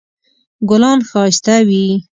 ګلان ښایسته وي